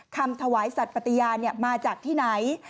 คำถวายสัตว์ปฏิญาณมาจากที่ไหน